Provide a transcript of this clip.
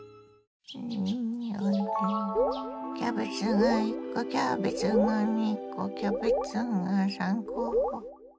キャベツが１コキャベツが２コキャベツが３コ。